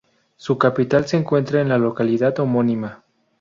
Su capital se encuentra en la localidad homónima.